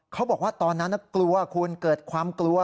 เขาบอกว่าตอนนั้นเกิดความกลัว